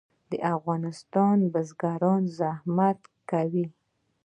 د افغانستان بزګران زحمت کوي